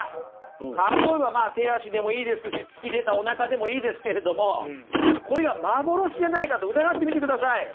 例えばまあ手足でもいいですし突き出たおなかでもいいですけれどもこれが幻じゃないかと疑ってみてください。